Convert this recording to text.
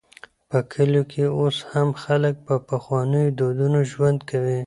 په کلیو کې اوس هم خلک په پخوانيو دودونو ژوند کوي.